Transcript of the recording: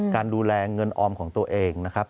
การดูแลเงินออมของตัวเองนะครับ